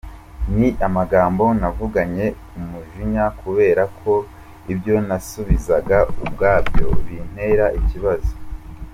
ni amagambo navuganye umujinya kubera ko ibyo nasubizaga ubwabyo bintera ikibazo.